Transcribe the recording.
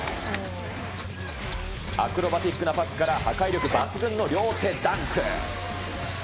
アクロバティックなパスから、破壊力抜群の両手ダンク。